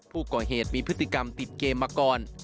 ผู้ก่อเหตุมีพฤติกรรมติดเกมมาก่อน